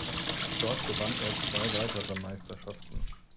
Dort gewann er zwei weitere Meisterschaften.